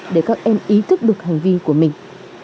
để các em ý thức được hành vi của mình